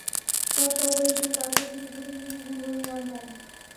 Truck সহকারী হিসেবে কাজ করতে গিয়ে প্রথম দিনেই খুন হলেন রমজান।